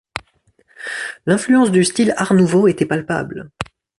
L'influence du style Art nouveau était palpable.